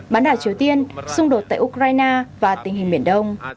bán đảo triều tiên xung đột tại ukraine và tình hình biển đông